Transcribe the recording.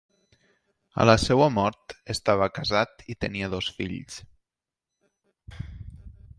A la seva mort, estava casat i tenia dos fills.